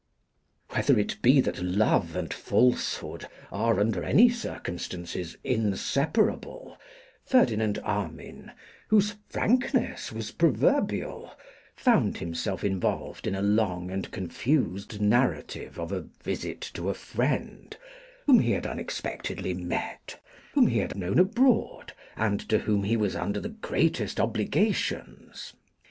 Whether it be that love and falsehood are, under any circumstances, inseparable, Ferdinand Armine, whose frankness was proverbial, found himself involved in a long and confused narrative of a visit to a friend, whom he had unexpectedly met, whom he had known abroad, and to whom he was under the greatest obligations.